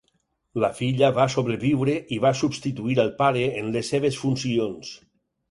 La filla va sobreviure i va substituir el pare en les seves funcions.